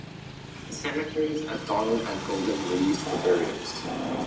The cemeteries at Donald and Golden were used for burials.